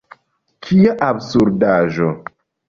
Kia absurdaĵo!